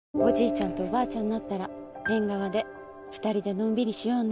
ちゃんとおばあちゃんになったら縁側で２人でのんびりしようね。